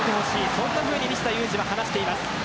そんなふうに西田有志は話しています。